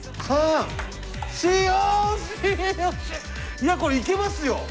いやこれいけますよ！